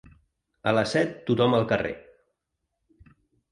A les set tothom al carrer.